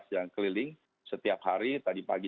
yang keliling setiap hari tadi pagi